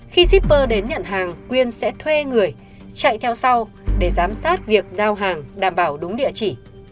khi shipper đến nhận hàng quyên sẽ thuê người chạy theo sau để giám sát việc giao hàng đảm bảo đúng địa chỉ